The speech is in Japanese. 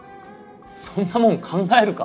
そんなもん考えるか！